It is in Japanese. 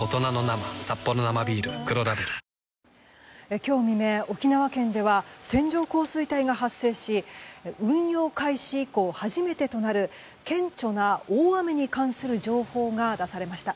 今日未明、沖縄県では線状降水帯が発生し運用開始以降初めてとなる顕著な大雨に関する情報が出されました。